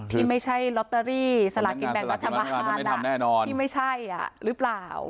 ที่ไม่ใช่ลอตเตอรี่สลากินแบ่งรัฐบาลที่ไม่ใช่หรือเปล่า